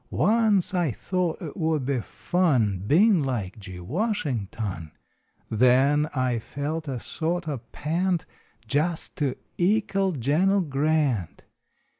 Once I thought it would be fun Bein like G. Washington. Then I felt a sort o pant Jest to ekal Gen l Grant.